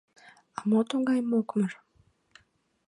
— А мо тугай мокмыр?